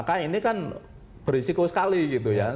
maka ini kan berisiko sekali gitu ya